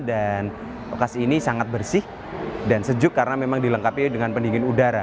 dan lokasi ini sangat bersih dan sejuk karena memang dilengkapi dengan pendingin udara